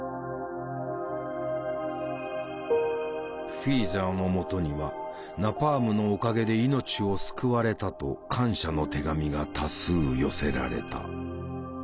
フィーザーのもとには「ナパームのおかげで命を救われた」と感謝の手紙が多数寄せられた。